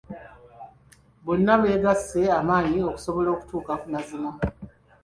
Bonna bagasse amaanyi okusobola okutuuka ku mazima.